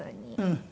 うん。